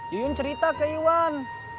yuyun cerita ke iwan